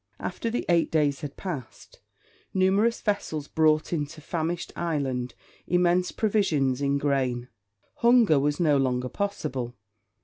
After the eight days had passed, numerous vessels brought into famished Ireland immense provisions in grain. Hunger was no longer possible.